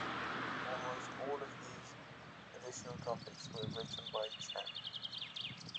Almost all of these additional topics were written by Chen.